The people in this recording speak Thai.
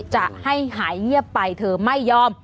จะให้หายเงียบไปเธอไม่ยอม